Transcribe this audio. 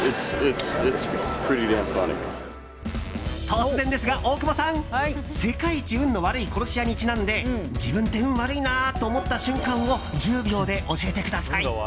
突然ですが、大久保さん世界一運の悪い殺し屋にちなんで自分って運悪いなと思った瞬間を１０秒で教えてください。